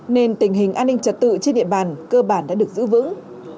nên tình hình an ninh trật tự trên địa bàn cơ bản đã được giữ vững